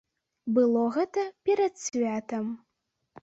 Было гэта перад святам.